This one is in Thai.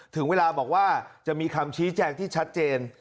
ถึงเวลาบอกว่าจะมีคำชี้แจงที่ชัดเจน